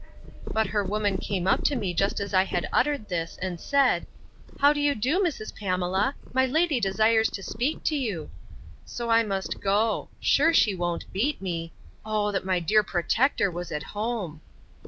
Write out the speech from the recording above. But her woman came up to me just as I had uttered this, and said, How do you do, Mrs. Pamela? My lady desires to speak to you. So I must go.—Sure she won't beat me!—Oh that my dear protector was at home!